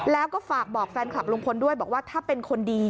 แล้วก็ฝากบอกแฟนคลับลุงพลด้วยบอกว่าถ้าเป็นคนดี